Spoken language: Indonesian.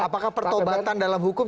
apakah pertobatan dalam hukum